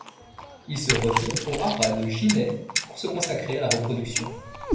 Il se retire au Haras de Ginai pour se consacrer à la reproduction.